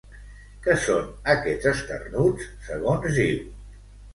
Què són aquests esternuts, segons diu?